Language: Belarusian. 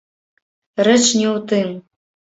Рэч не ў тым.